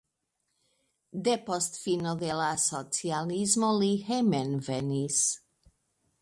Depost fino de la socialismo li hejmenvenis.